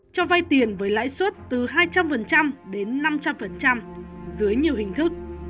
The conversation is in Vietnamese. cho vay tiền với lãi suất từ hai trăm linh đến năm trăm linh dưới nhiều hình thức